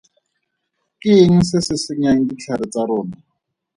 Ke eng se se senyang ditlhare tsa rona?